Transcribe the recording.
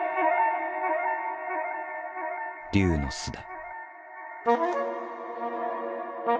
龍の巣だ。